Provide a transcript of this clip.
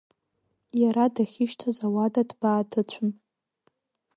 Иара дахьышьҭаз ауада ҭбааҭыцәын.